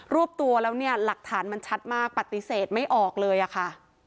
วบตัวแล้วเนี่ยหลักฐานมันชัดมากปฏิเสธไม่ออกเลยอะค่ะ